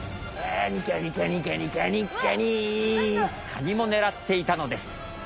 「カニもねらっていたのです」。